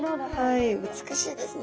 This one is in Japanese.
はい美しいですね。